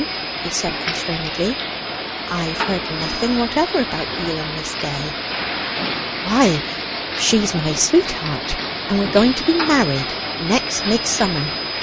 "No," he said constrainedly, "I've heard nothing whatever about you and Miss Day." "Why, she's my sweetheart, and we are going to be married next Midsummer.